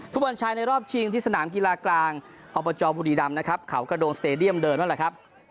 ทุกวันชายในรอบชิงที่สนามกีฬากลางอบุรีดำเขากระโดงสเตรเดียมเดินมาแล้วครับ